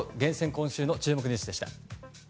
今週の注目ニュースでした。